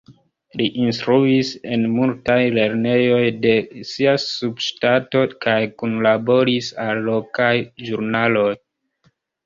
Li instruis en multaj lernejoj de sia subŝtato kaj kunlaboris al lokaj ĵurnaloj.